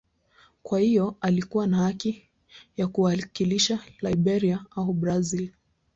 Kwa hiyo alikuwa na haki ya kuwakilisha Liberia au Brazil.